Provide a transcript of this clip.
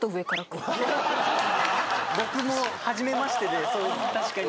僕も。